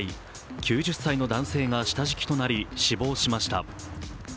９０歳の男性が下敷きとなり死亡しました。